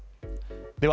では